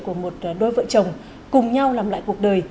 của một đôi vợ chồng cùng nhau làm lại cuộc đời